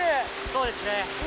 そうですね。